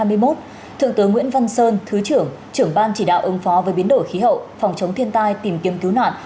buổi diễn tập phương án ứng phó với biến đổi khí hậu phòng chống thiên tai tìm kiếm cứu nạn